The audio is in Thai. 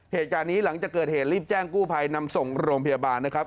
เหตุการณ์นี้หลังจากเกิดเหตุรีบแจ้งกู้ภัยนำส่งโรงพยาบาลนะครับ